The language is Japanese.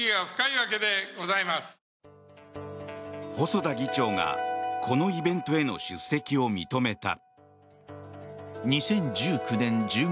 細田議長がこのイベントへの出席を認めた。